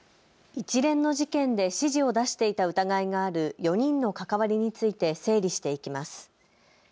一連の事件で指示を出していた疑いがある４人の関わりについて整理していきます。